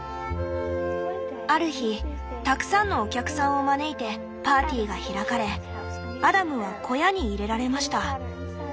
「ある日たくさんのお客さんを招いてパーティーが開かれアダムは小屋に入れられました。